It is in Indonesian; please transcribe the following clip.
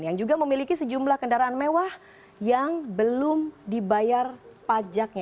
yang juga memiliki sejumlah kendaraan mewah yang belum dibayar pajaknya